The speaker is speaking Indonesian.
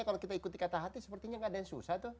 karena hati sepertinya gak ada yang susah tuh